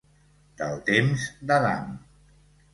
Del temps d'Adam.